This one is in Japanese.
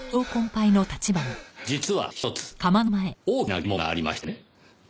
実はひとつ大きな疑問がありましてね。